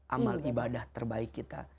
amal ibadah terbaik kita